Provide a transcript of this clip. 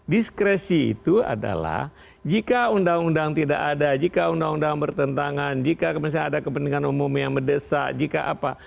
diskresi itu adalah jika undang undang tidak ada jika undang undang bertentangan jika ada kepentingan umum yang mendesak jika apa